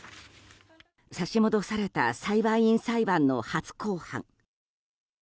差し戻された裁判員裁判の初公判。